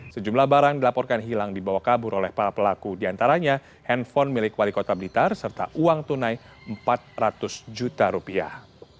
sejumlah barang dilaporkan hilang dibawa kabur oleh para pelaku diantaranya handphone milik wali kota blitar serta uang tunai empat ratus juta rupiah